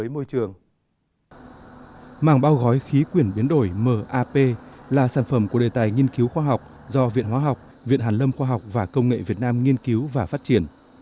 mạng bao gói khí quyển biến đổi map là sản phẩm của đề tài nghiên cứu khoa học do viện hóa học viện hàn lâm khoa học và công nghệ việt nam nghiên cứu và phát triển